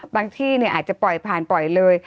บางที่เนี่ยอาจจะปล่อยผ่านปล่อยเลย